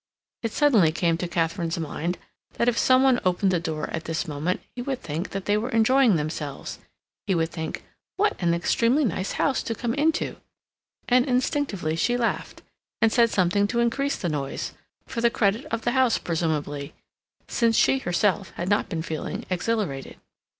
It suddenly came into Katharine's mind that if some one opened the door at this moment he would think that they were enjoying themselves; he would think, "What an extremely nice house to come into!" and instinctively she laughed, and said something to increase the noise, for the credit of the house presumably, since she herself had not been feeling exhilarated.